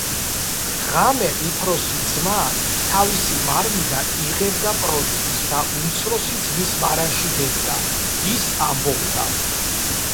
ღამე უფროსი ძმა თავისი მარნიდან იღებდა პროდუქტს და უმცროსი ძმის მარანში დებდა. ის ამბობდა: